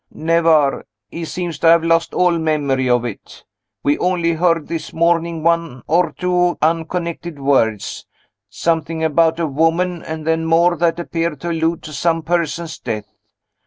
"Never! He seems to have lost all memory of it. We only heard, this morning, one or two unconnected words something about a woman, and then more that appeared to allude to some person's death.